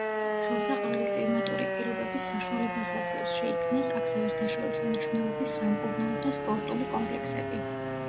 ხელსაყრელი კლიმატური პირობები საშუალებას აძლევს შეიქმნას აქ საერთაშორისო მნიშვნელობის სამკურნალო და სპორტული კომპლექსები.